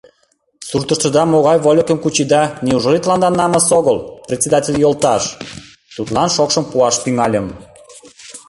— Суртыштыда могай «вольыкым» кучеда, неужели тыланда намыс огыл, председатель йолташ! — тудлан шокшым пуаш тӱҥальым.